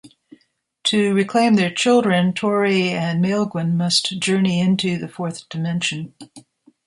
To reclaim their children, Tory and Maelgwyn must journey into the fourth dimension.